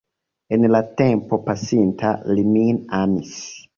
En la tempo pasinta li min amis.